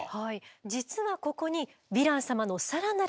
実はここにヴィラン様の更なる特徴がございます。